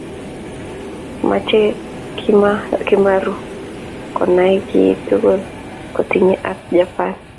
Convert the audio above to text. Machei Kimarubkonai ki tugul kotinyge ak Japan.